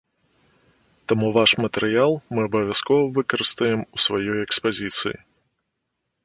Таму ваш матэрыял мы абавязкова выкарыстаем у сваёй экспазіцыі.